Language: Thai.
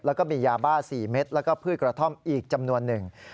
แล้วก็มียาบ้า๔เม็ดแล้วก็พืชกระท่อมอีกจำนวนหนึ่ง